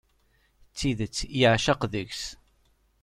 D tidet yeɛceq deg-s.